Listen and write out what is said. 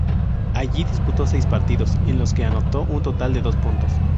Allí disputó seis partidos, en los que anotó un total de dos puntos.